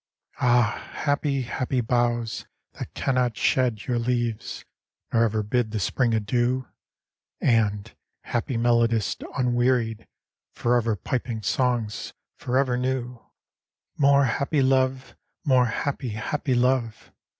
Ah! happy, happy boughs! that cannot shed Your leaves, nor ever bid the Spring adieu; And, happy melodist, unwearied, Forever piping songs forever new; 75 GREECE More happy love! more happy, happy love!